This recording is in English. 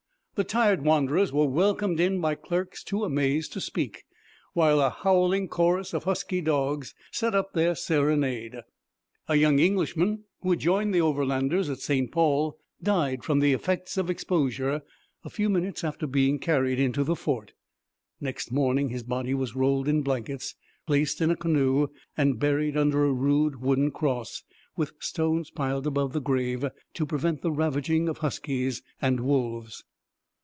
The tired wanderers were welcomed in by clerks too amazed to speak, while a howling chorus of husky dogs set up their serenade. A young Englishman, who had joined the Overlanders at St Paul, died from the effects of exposure a few minutes after being carried into the fort. Next morning the body was rolled in blankets, placed in a canoe, and buried under a rude wooden cross, with stones piled above the grave to prevent the ravaging of huskies and wolves.